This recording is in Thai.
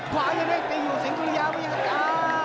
ขวายังได้ตีอยู่สิงสุริยาวิทยาเก้า